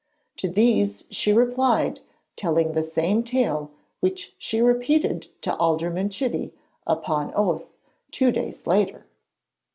To these she replied, telling the same tale which she repeated to Alderman Chitty upon oath two days later.